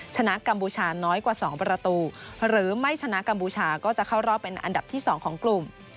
กัมพูชาน้อยกว่า๒ประตูหรือไม่ชนะกัมพูชาก็จะเข้ารอบเป็นอันดับที่๒ของกลุ่ม